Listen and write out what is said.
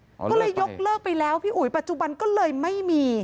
เขาเลยยกเลิกไปแล้วปัจจุบันก็เลยไม่มี